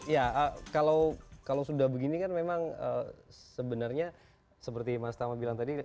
ya kalau sudah begini kan memang sebenarnya seperti mas tama bilang tadi